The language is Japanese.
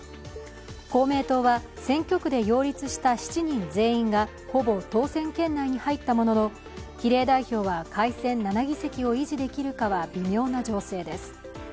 公明党は選挙区で擁立した７人全員がほぼ当選圏内に入ったものの比例代表は改選７議席を維持できるかは微妙な情勢です。